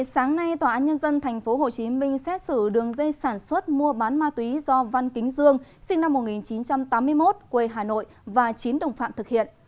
sáng nay tòa án nhân dân tp hcm xét xử đường dây sản xuất mua bán ma túy do văn kính dương sinh năm một nghìn chín trăm tám mươi một quê hà nội và chín đồng phạm thực hiện